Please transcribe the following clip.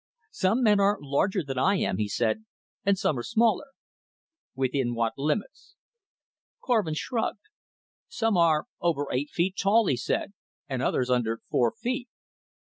"Some men are larger than I am," he said, "and some are smaller." "Within what limits?" Korvin shrugged. "Some are over eight feet tall," he said, "and others under four feet."